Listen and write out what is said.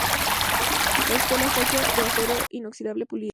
La escultura está hecha de acero inoxidable pulido.